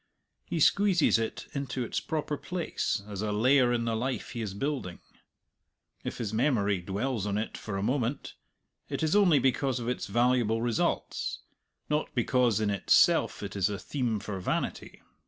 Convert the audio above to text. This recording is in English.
He squeezes it into its proper place as a layer in the life he is building. If his memory dwells on it for a moment, it is only because of its valuable results, not because in itself it is a theme for vanity.